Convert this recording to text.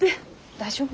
大丈夫？